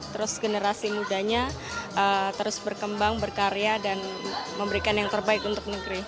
terus generasi mudanya terus berkembang berkarya dan memberikan yang terbaik untuk negeri